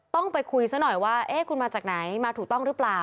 ต้องไปคุยซะหน่อยว่าเอ๊ะคุณมาจากไหนมาถูกต้องหรือเปล่า